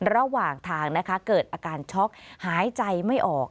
ระหว่างทางนะคะเกิดอาการช็อกหายใจไม่ออก